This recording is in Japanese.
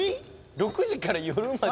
６時から夜まで。